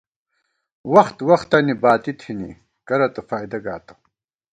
وخت وختَنی باتی تھنی ، کرہ تہ فائدہ گاتہ